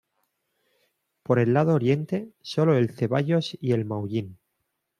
Por el lado oriente solo el Zeballos y el Maullín.